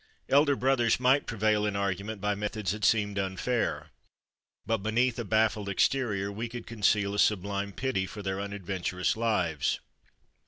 Elder brothers might prevail in argument by methods that seemed unfair, but, beneath a baffled exterior, we could conceal a sublime pity for their unadventurous lives.